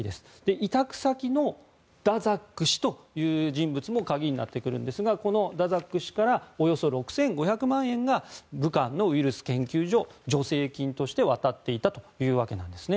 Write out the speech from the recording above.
委託先のダザック氏という人物も鍵になってくるんですがこのダザック氏からおよそ６５００万円が武漢のウイルス研究所助成金として渡っていたということです。